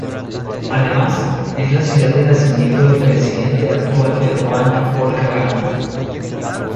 Además es la ciudad de nacimiento del presidente actual de ruanda paul kagame.